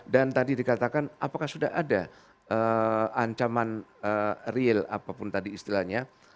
dan tadi dikatakan apakah sudah ada ancaman real apapun tadi istilahnya